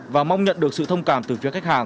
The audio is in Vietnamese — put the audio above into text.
và mong nhận được sự thông cảm từ phía khách hàng